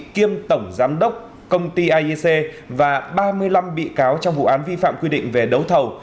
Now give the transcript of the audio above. kiêm tổng giám đốc công ty aic và ba mươi năm bị cáo trong vụ án vi phạm quy định về đấu thầu